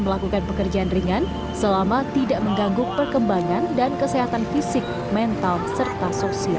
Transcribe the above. melakukan pekerjaan ringan selama tidak mengganggu perkembangan dan kesehatan fisik mental serta sosial